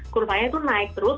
kurvanya itu naik terus